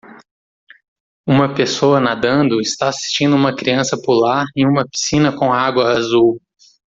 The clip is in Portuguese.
Uma pessoa nadando está assistindo uma criança pular em uma piscina com água azul.